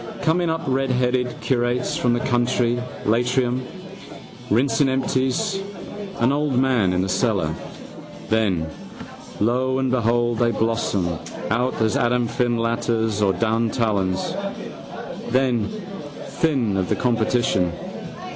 Coming up redheaded curates from the county Leitrim, rinsing empties and old man in the cellar. Then, lo and behold, they blossom out as Adam Findlaters or Dan Tallons. Then think of the competition.